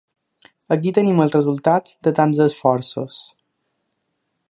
Aquí tenim el resultat de tants esforços!